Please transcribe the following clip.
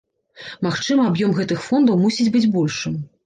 Магчыма, аб'ём гэтых фондаў мусіць быць большым.